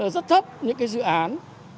rất thấp những cái dự án